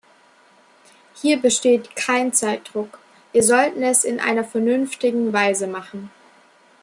Hier besteht kein Zeitdruck, wir sollten es in einer vernünftigen Weise machen.